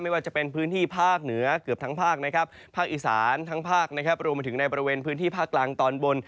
ว่าจะเป็นพื้นที่ภาคเหนือเกือบทั้งภาคนะครับภาคอีสานทั้งภาคนะครับรวมมาถึงในบริเวณพื้นที่ภาคกลางตอนบน